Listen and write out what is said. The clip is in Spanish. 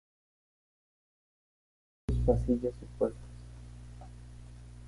En el interior había numerosos pasillos y puertas.